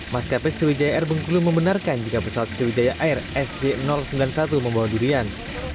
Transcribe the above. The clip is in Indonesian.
mas kps sewijaya air bengkulu membenarkan jika pesawat sewijaya air sd sembilan puluh satu membawa durian